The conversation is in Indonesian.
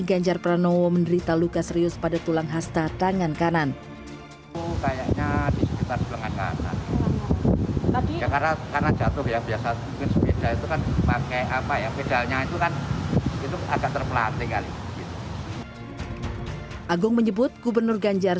ganjar pranowo menderita luka serius pada tulang hasta tangan kanan menyebut gubernur ganjar